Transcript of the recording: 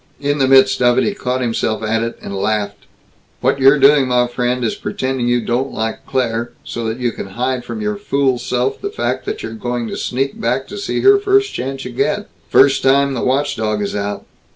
In the midst of it, he caught himself at it, and laughed. "What you're doing, my friend, is pretending you don't like Claire, so that you can hide from your fool self the fact that you're going to sneak back to see her the first chance you get first time the watch dog is out.